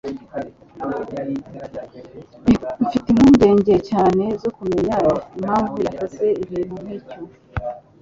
Mfite impungenge cyane zo kumenya impamvu yakoze ikintu nkicyo.